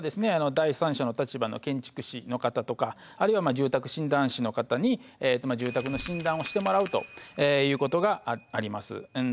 第三者の立場の建築士の方とかあるいは住宅診断士の方に住宅の診断をしてもらうということがあります。